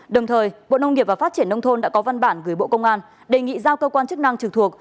đồng thời bộ nông nghiệp và phát triển nông thôn đã có văn bản gửi bộ công an đề nghị giao cơ quan chức năng trực thuộc